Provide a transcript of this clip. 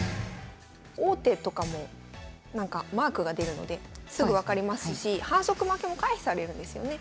王手とかもなんかマークが出るのですぐ分かりますし反則負けも回避されるんですよね。